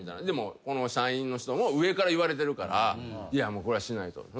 でもこの社員の人も上から言われてるから「いやもうこれはしないと」